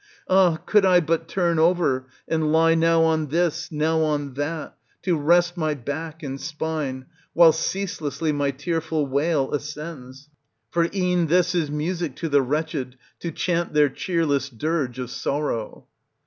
Ah! could I but turn over, and lie now on this, now on that, to rest my back and spine, while cease lessly my tearful wail ascends. For e'en this is music to the wretched, to chant their cheerless dirge of sorrow.